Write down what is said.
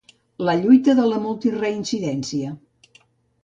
La lluita de la multireincidència